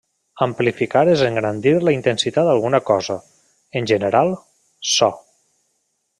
Amplificar és engrandir la intensitat d'alguna cosa, en general, so.